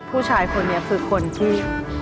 ผู้ชายคนนี้คือคนที่